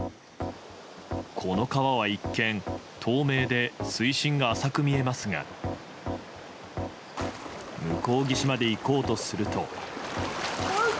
この川は一見、透明で水深が浅く見えますが向こう岸まで行こうとすると。